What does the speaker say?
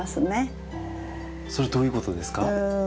それはどういうことですか？